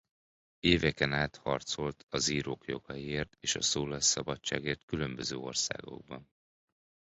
Éveken át harcolt az írók jogaiért és a szólásszabadságért különböző országokban.